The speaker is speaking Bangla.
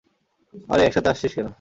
আরে, একসাথে আসছিস কেন?